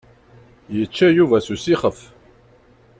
Yečča Yuba s usixef.